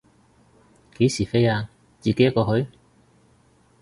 幾時飛啊，自己一個去？